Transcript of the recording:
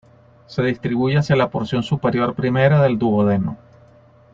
Se distribuye hacia la porción superior primera del duodeno.